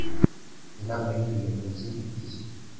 inama y’ ubuyobozi igizwe